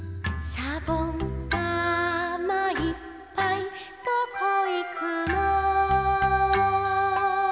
「しゃぼんだまいっぱいどこいくの」